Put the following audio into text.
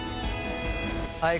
はい。